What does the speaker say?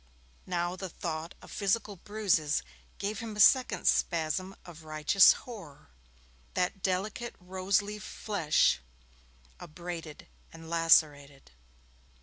Now the thought of physical bruises gave him a second spasm of righteous horror. That delicate rose leaf flesh abraded and lacerated!